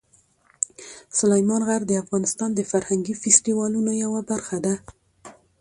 سلیمان غر د افغانستان د فرهنګي فستیوالونو یوه برخه ده.